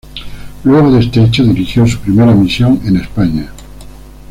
Luego de este hecho, dirigió su primera misión en España.